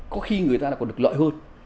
có khi người ta còn được lợi hơn